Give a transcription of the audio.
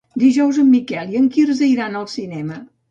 Dijous en Miquel i en Quirze iran al cinema.